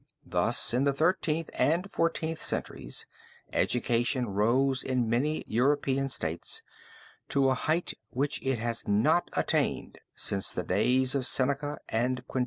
Thus, in the Thirteenth and Fourteenth centuries, education rose in many European states to a height which it had not attained since the days of Seneca and Quintilian."